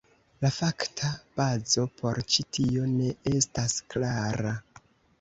La fakta bazo por ĉi tio ne estas klara.